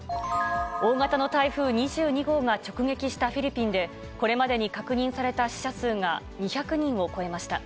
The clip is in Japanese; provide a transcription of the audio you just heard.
大型の台風２２号が直撃したフィリピンで、これまでに確認された死者数が２００人を超えました。